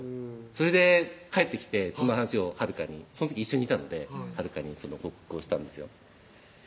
それで帰ってきてその話を晴香にその時一緒にいたので晴香にその報告をしたんですよ